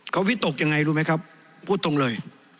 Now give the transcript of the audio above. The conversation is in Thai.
เขาวิตกยังไงรู้ไหมครับพูดตรงเลย